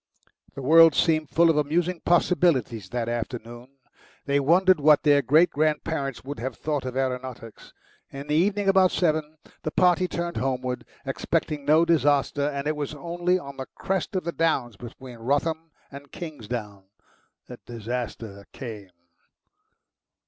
The world seemed full of amusing possibilities that afternoon. They wondered what their great grandparents would have thought of aeronautics. In the evening, about seven, the party turned homeward, expecting no disaster, and it was only on the crest of the downs between Wrotham and Kingsdown that disaster came.